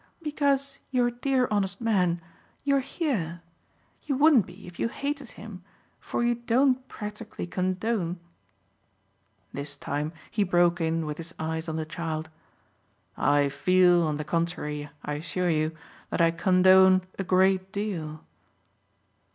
"Because, you dear honest man, you're here. You wouldn't be if you hated him, for you don't practically condone !" This time he broke in with his eyes on the child. "I feel on the contrary, I assure you, that I condone a great deal."